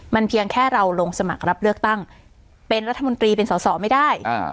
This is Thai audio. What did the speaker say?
มันเพียงแค่เราลงสมัครรับเลือกตั้งเป็นรัฐมนตรีเป็นสอสอไม่ได้